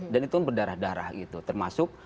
dan itu berdarah darah gitu